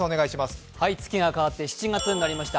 月が変わって７月になりました。